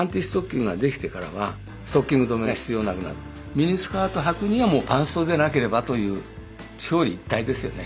ミニスカートはくにはもうパンストでなければという表裏一体ですよね。